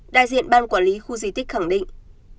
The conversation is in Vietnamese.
đại diện ban quản lý khu di tích khẳng định